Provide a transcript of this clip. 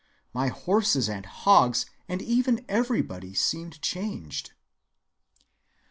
My horses and hogs and even everybody seemed changed."